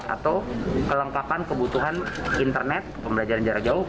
atau kelengkapan kebutuhan internet pembelajaran jarak jauh